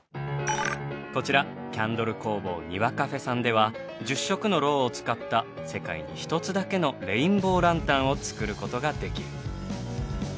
こちらキャンドル工房庭カフェさんでは１０色のろうを使った世界に一つだけのレインボーランタンを作る事ができる。